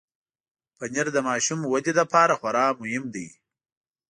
پنېر د ماشوم ودې لپاره خورا مهم دی.